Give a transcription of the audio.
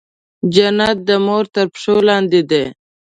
جنت د مور تر پښو لاندې دی.